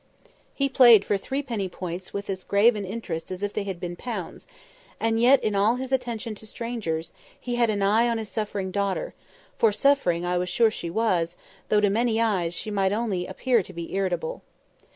He played for threepenny points with as grave an interest as if they had been pounds; and yet, in all his attention to strangers, he had an eye on his suffering daughter—for suffering I was sure she was, though to many eyes she might only appear to be irritable.